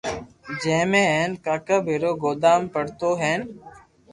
جي ۾ ھين ڪاڪا ڀيرو گونا ڀرتو ھين